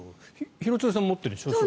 廣津留さん持ってる、チェキを。